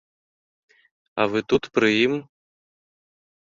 А вы тут пры ім?